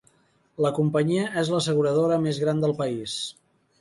La companyia és l'asseguradora més gran del país.